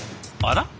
あら？